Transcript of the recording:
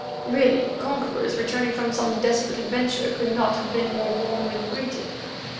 Really, conquerors returning from some desperate adventure could not have been more warmly greeted.